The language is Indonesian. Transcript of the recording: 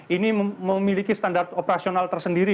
ini memiliki standar operasional tersendiri